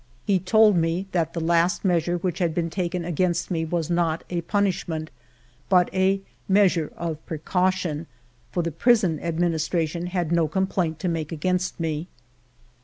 ^ He told me that the last measure which had been taken against me was not a pun ishment, but " a measure of precaution," for the Prison Administration had no complaint to make against me.